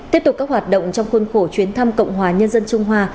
tiếp tục các hoạt động trong khuôn khổ chuyến thăm cộng hòa nhân dân trung hoa